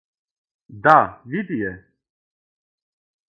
Да, види је!